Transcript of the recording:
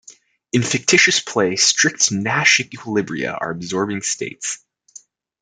In fictitious play strict Nash equilibria are absorbing states.